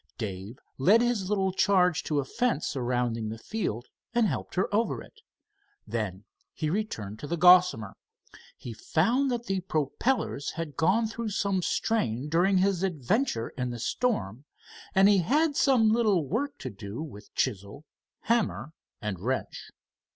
Dave led his little charge to the fence surrounding the field and helped her over it. Then he returned to the Gossamer. He found that the propellers had gone through some strain during his adventure in the storm, and he had some little work to do with chisel, hammer and wrench.